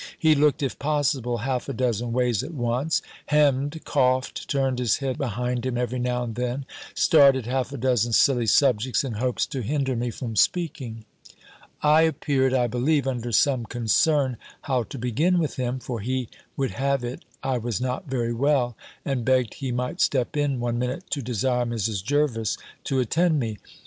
He looked, if possible, half a dozen ways at once, hemm'd, coughed, turned his head behind him every now and then, started half a dozen silly subjects, in hopes to hinder me from speaking. I appeared, I believe, under some concern how to begin with him; for he would have it I was not very well, and begged he might step in one minute to desire Mrs. Jervis to attend me.